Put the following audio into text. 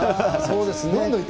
そうですね。